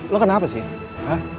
lo kenapa sih